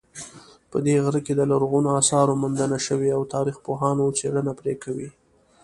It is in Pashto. په دې غره کې د لرغونو آثارو موندنه شوې او تاریخپوهان څېړنه پرې کوي